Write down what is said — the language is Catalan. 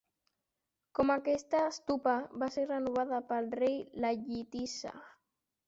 Com aquesta stupa va ser renovada pel rei Lajjitissa.